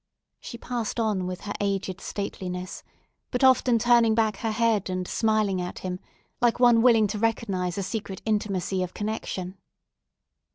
She passed on with her aged stateliness, but often turning back her head and smiling at him, like one willing to recognise a secret intimacy of connexion.